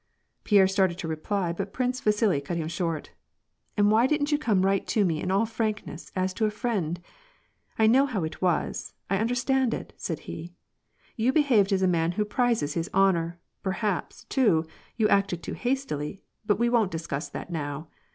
Pierre started to reply, but Prince Vasili cut him short. " And why didn't you come right to me in all frankness, as to a friend ? I know how it was, I understand it," said he. You behaved as a man who prizes his honor ; perhaps, too, you acted too hastiljj, but we won't discuss that now.